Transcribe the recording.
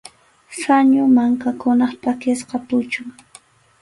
Sañu mankakunap pʼakisqa puchun.